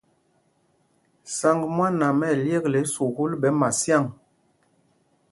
Saŋg mwân am ɛ yekle sukûl ɓɛ Masyâŋ.